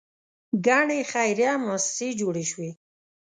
ګڼې خیریه موسسې جوړې شوې.